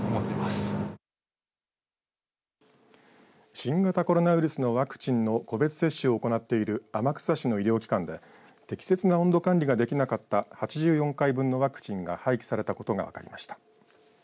新型コロナウイルスのワクチンの個別接種を行っている天草市の医療機関で適切な温度管理ができなかった８４回分のワクチンが廃棄されたことが分かりました。